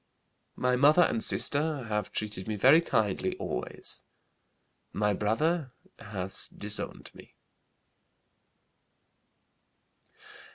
My mother and sister have treated me very kindly always. My brother has disowned me."